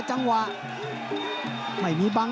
ตามต่อยกที่๓ครับ